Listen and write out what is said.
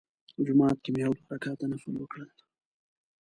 جومات کې مې یو دوه رکعته نفل وکړل.